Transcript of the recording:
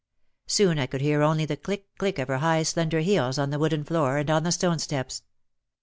Soon I could hear only the click, click of her high slender heels on the wooden floor and on the stone steps.